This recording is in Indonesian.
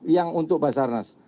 yang untuk basarnas